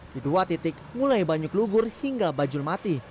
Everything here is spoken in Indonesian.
di dua titik mulai banyuk lugur hingga bajul mati